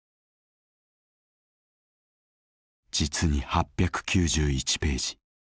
実に８９１ページ。